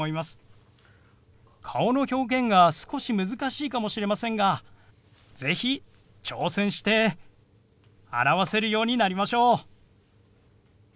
顔の表現が少し難しいかもしれませんが是非挑戦して表せるようになりましょう！